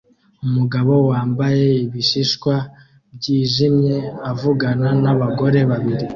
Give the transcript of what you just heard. Umugabo wambaye ibishishwa byijimye avugana nabagore babiri